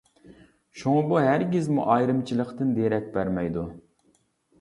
شۇڭا بۇ ھەرگىزمۇ ئايرىمچىلىقتىن دېرەك بەرمەيدۇ.